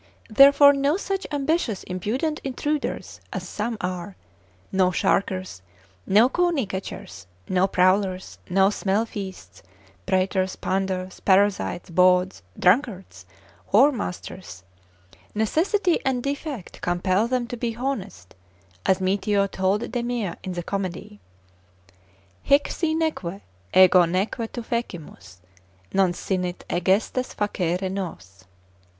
therefore no such ambitious, impudent intruders as some are, no sharkers, no cony catchers, no prowlers, no smell feasts, praters, panders, parasites, bawds, drunkards, whoremasters; necessity and defect compel them to be honest; as Mitio told Demea in the comedy, Haec si neque ego neque tu fecimus, Non sinit egestas facere nos.